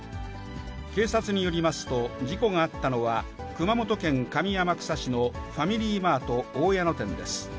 警察によりますと、事故があったのは、熊本県上天草市のファミリーマート大矢野店です。